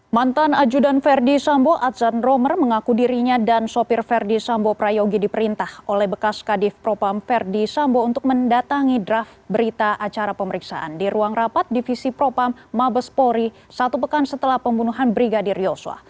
mantan ajudan verdi sambo adzan romer mengaku dirinya dan sopir verdi sambo prayogi diperintah oleh bekas kadif propam verdi sambo untuk mendatangi draft berita acara pemeriksaan di ruang rapat divisi propam mabes polri satu pekan setelah pembunuhan brigadir yosua